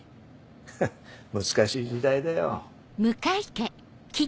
ハハっ難しい時代だよ。